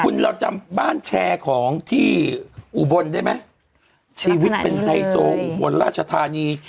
คุณเราจำบ้านแชร์ของที่อุบลได้ไหมชีวิตเป็นไฮโซอุบลราชธานี